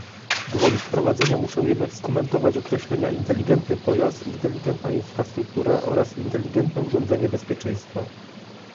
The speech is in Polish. Gwoli wprowadzenia muszę jednak skomentować określenia "inteligentny pojazd", "inteligentna infrastruktura" oraz "inteligentne urządzenie bezpieczeństwa"